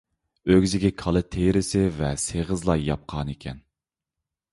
ئۆگزىگە كالا تېرىسى ۋە سېغىز لاي ياپقانىكەن.